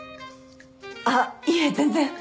あっいえ全然。